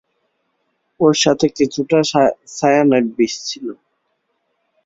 ওর সাথে কিছুটা সায়ানাইড বিষ ছিল।